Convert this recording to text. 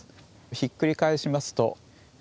ひっくり返しますと。